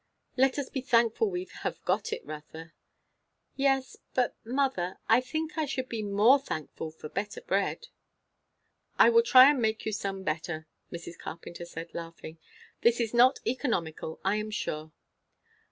"Let us be thankful we have got it, Rotha." "Yes; but, mother, I think I should be more thankful for better bread." "I will try and make you some better," Mrs. Carpenter said laughing. "This is not economical, I am sure."